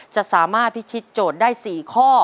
จะสามารถพิชิตโจทย์ได้๔ข้อ